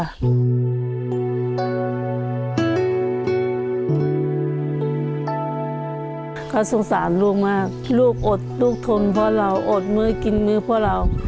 เขาสงสารลูกมากลูกอดลูกทนเพราะเราอดมือกินมือพวกเรา